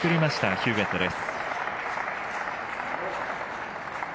ヒューウェットです。